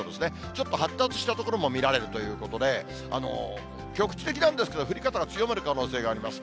ちょっと発達した所も見られるということで、局地的なんですけど、降り方の強まる可能性があります。